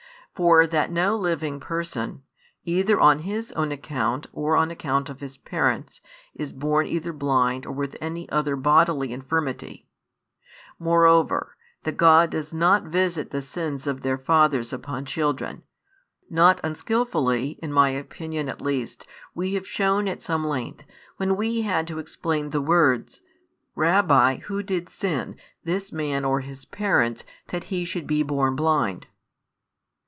For that no living person, either on his own account or on account of his parents, is born either blind or with any other bodily infirmity; moreover, that God does not visit the sins of their fathers upon children, not unskilfully, in my opinion at least, we have shown at some length, when we had to explain the words: Rabbi, who did sin, this man, or his parents, that he should be born blind?